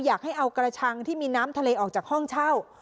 อยากให้เอากระชังที่มีน้ำทะเลออกจากห้องเช่า